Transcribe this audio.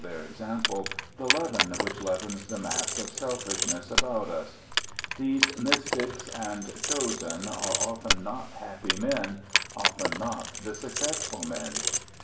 2 BIOGRAPHICAL ESSAYS their example the leaven which leavens the mass of selfishness about us. These 'mystics' and 'chosen' are often not happy men, often not the successful men.